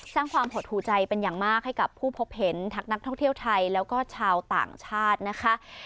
สร้างความหดหูใจเป็นอย่างมากให้กับผู้พบเห็นทั้งนักท่องเที่ยวไทยแล้วก็ชาวต่างชาตินะคะ